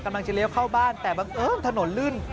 เลี้ยวเข้าบ้านแต่บังเอิญถนนลื่น